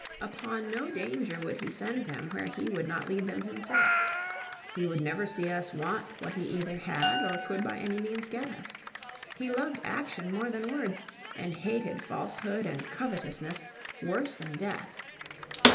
Upon no danger would he send them where he would not lead them himself. He would never see us want what he either had or could by any means get us. He loved action more than words, and hated falsehood and covetousness worse than death."